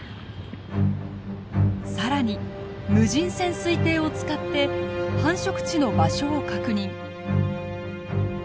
更に無人潜水艇を使って繁殖地の場所を確認。